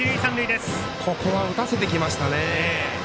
ここは打たせてきましたね。